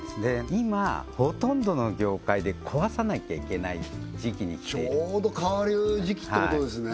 今ほとんどの業界で壊さなきゃいけない時期にきてちょうど変わる時期ってことですね